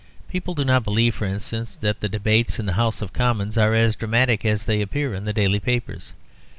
People do not believe, for instance, that the debates in the House of Commons are as dramatic as they appear in the daily papers.